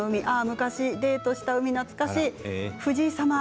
昔デートした海、懐かしい藤井さんは